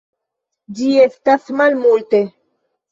Ĝi estas malmulte.